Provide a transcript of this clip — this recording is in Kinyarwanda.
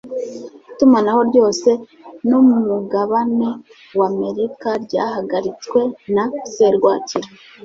itumanaho ryose nu mugabane wa amerika ryahagaritswe na serwakira